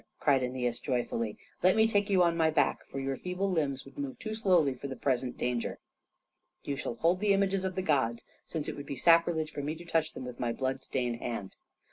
cried Æneas joyfully. "Let me take you on my back, for your feeble limbs would move too slowly for the present danger. You shall hold the images of the gods, since it would be sacrilege for me to touch them with my blood stained hands.